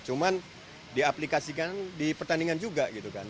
cuman diaplikasikan di pertandingan juga gitu kan